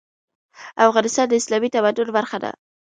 افغانستان د اسلامي تمدن برخه ده.